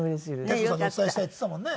徹子さんにお伝えしたいって言っていたもんね。